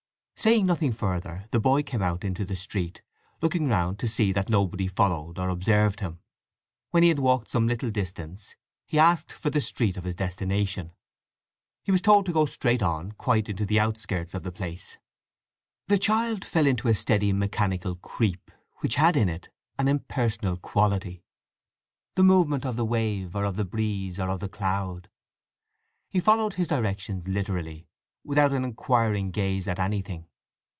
Saying nothing further the boy came out into the street, looking round to see that nobody followed or observed him. When he had walked some little distance he asked for the street of his destination. He was told to go straight on quite into the outskirts of the place. The child fell into a steady mechanical creep which had in it an impersonal quality—the movement of the wave, or of the breeze, or of the cloud. He followed his directions literally, without an inquiring gaze at anything.